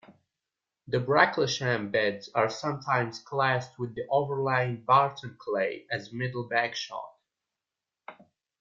The Bracklesham Beds are sometimes classed with the overlying Barton clay as Middle Bagshot.